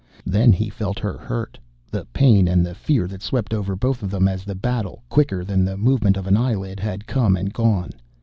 Then he felt her hurt, the pain and the fear that swept over both of them as the battle, quicker than the movement of an eyelid, had come and gone.